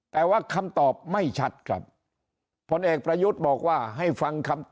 แต่ว่าคำตอบไม่ชัดครับผลเอกประยุทธ์บอกว่าให้ฟังคำตอบ